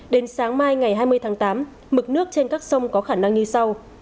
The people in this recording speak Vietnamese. đến sáng mai ngày hai mươi tháng tám mực nước trên các sông có khả năng như sau